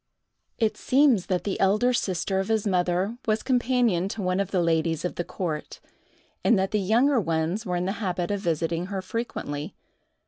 It seems that the elder sister of his mother was companion to one of the ladies of the court, and that the younger ones were in the habit of visiting her frequently.